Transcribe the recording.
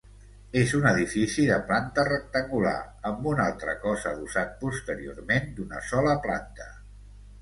És un edifici de planta rectangular, amb un altre cos adossat posteriorment d'una sola planta.